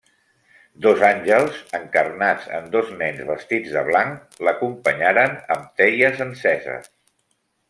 Dos àngels, encarnats en dos nens vestits de blanc, l'acompanyaren amb teies enceses.